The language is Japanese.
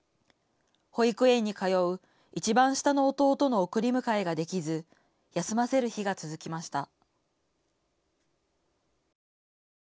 保育園に通ういちばん下の弟の送り迎えができず休ませる日が続きました。